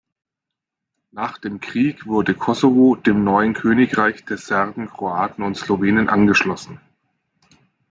Nach dem Krieg wurde Kosovo dem neuen Königreich der Serben, Kroaten und Slowenen angeschlossen.